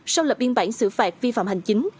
sau lập biên bản xử phạt vi phạm hành chính